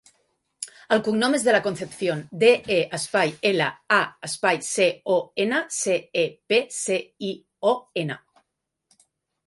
El cognom és De La Concepcion: de, e, espai, ela, a, espai, ce, o, ena, ce, e, pe, ce, i, o, ena.